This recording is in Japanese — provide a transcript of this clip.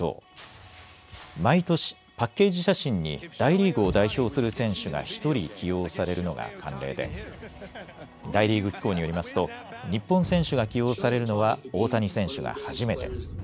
毎年、パッケージ写真に大リーグを代表する選手が１人起用されるのが慣例で大リーグ機構によりますと日本選手が起用されるのは大谷選手は初めて。